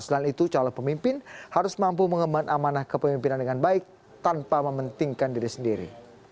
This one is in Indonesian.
selain itu calon pemimpin harus mampu mengemban amanah kepemimpinan dengan baik tanpa mementingkan diri sendiri